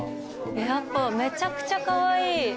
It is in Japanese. やっぱめちゃくちゃカワイイ。